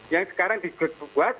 yang sekarang digetuk buat